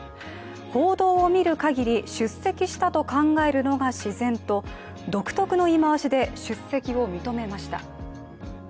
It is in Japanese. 報道を見るかぎり、出席したと考えるのが自然と独特の言い回しで出席を認めました。